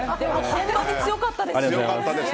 本番に強かったですね。